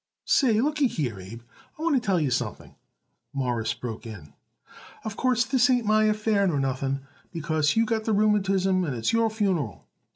"Say, looky here, Abe: I want to tell you something," Morris broke in. "Of course, this ain't my affair nor nothing, because you got the rheumatism and it's your funeral.